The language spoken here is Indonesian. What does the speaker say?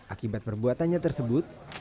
akibat perbuatannya tersebut